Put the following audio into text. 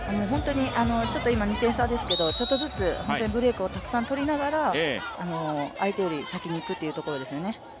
今、２点差ですけど、ちょっとずつブレイクをたくさん取りながら、相手より先に行くということですね。